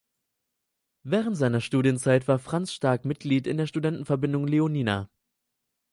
Während seiner Studienzeit war Franz Stark Mitglied in der Studentenverbindung Leonina.